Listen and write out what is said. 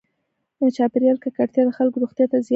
چاپېریال ککړتیا د خلکو روغتیا ته زیان رسوي.